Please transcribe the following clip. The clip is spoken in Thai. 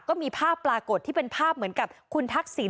ก็มีภาพปรากฏที่เป็นภาพเหมือนกับคุณทักษิณ